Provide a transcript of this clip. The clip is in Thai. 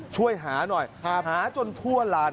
ช่วยหาหน่อยหาจนทั่วลาน